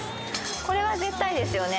これは絶対ですよね。